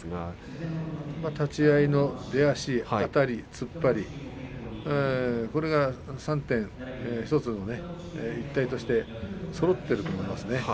立ち合いの出足あたり、突っ張りこれが３点、一体としてそろっていると思いますね。